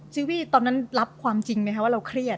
ซีวี่ตอนนั้นรับความจริงไหมคะว่าเราเครียด